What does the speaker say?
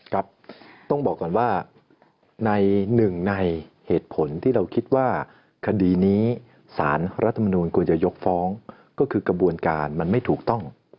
ครับต้องบอกก่อนว่าในหนึ่งในเหตุผลที่เราคิดว่าคดีนี้สารรัฐมนูลควรจะยกฟ้องก็คือกระบวนการมันไม่ถูกต้อง